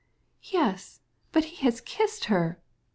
"Yes, but he has kissed her...."